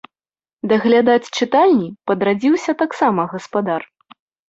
Даглядаць чытальні падрадзіўся таксама гаспадар.